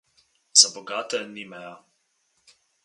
Za bogate ni meja.